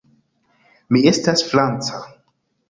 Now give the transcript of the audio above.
Mi estas franca.